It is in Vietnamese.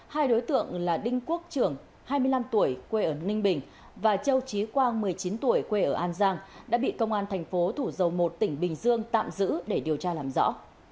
hai đối tượng là đinh quốc trưởng hai mươi năm tuổi quê ở ninh bình và châu trí quang một mươi chín tuổi quê ở an giang đã bị công an thành phố thủ dầu một tỉnh bình dương tạm giữ để điều tra làm rõ